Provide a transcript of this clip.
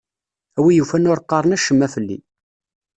A wi yufan ur qqaren acemma fell-i.